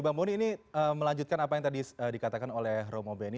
bang boni ini melanjutkan apa yang tadi dikatakan oleh romo beni